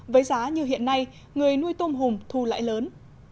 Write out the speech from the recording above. với giá như hiện nay người nuôi tôm hùm thu lại lớn